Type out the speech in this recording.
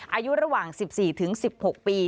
อายุระหว่าง๑๔๑๖ปี